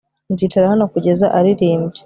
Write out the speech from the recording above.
Nzicara hano kugeza aririmbye